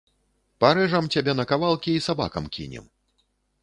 Парэжам цябе на кавалкі і сабакам кінем.